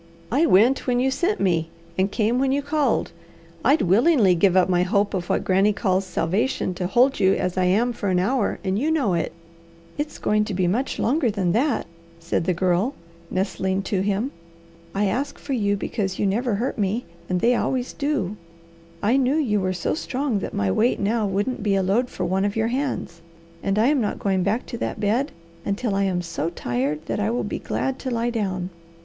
I went when you sent me, and came when you called. I'd willingly give up my hope of what Granny calls 'salvation' to hold you as I am for an hour, and you know it." "It's going to be much longer than that," said the Girl nestling to him. "I asked for you because you never hurt me, and they always do. I knew you were so strong that my weight now wouldn't be a load for one of your hands, and I am not going back to that bed until I am so tired that I will be glad to lie down."